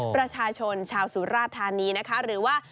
ประชาชนชาวสุราธานีนะคะหรือว่า